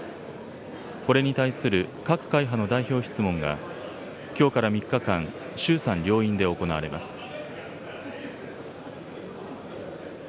これに対する各会派の代表質問が、きょうから３日間、衆参両院で行われます。